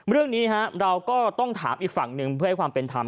เรื่องนี้เราก็ต้องถามอีกฝั่งหนึ่งเพื่อให้ความเป็นธรรม